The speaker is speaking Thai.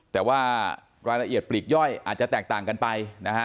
แต่ว่ารายละเอียดปลีกย่อยอาจจะแตกต่างกันไปนะฮะ